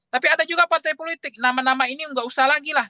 tapi ada juga partai politik nama nama ini nggak usah lagi lah